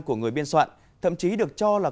của người biên soạn thậm chí được cho là